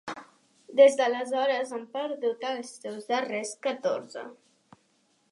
Des d'aleshores han perdut els seus darrers catorze.